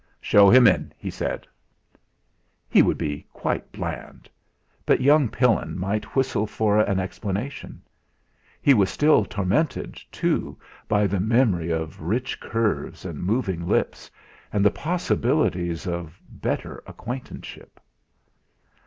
"Show him in!" he said. He would be quite bland, but young Pillin might whistle for an explanation; he was still tormented, too, by the memory of rich curves and moving lips, and the possibilities of better acquaintanceship.